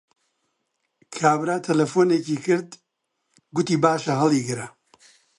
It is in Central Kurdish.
کابرا تەلەفۆنێکی کرد، گوتی باشە هەڵیگرە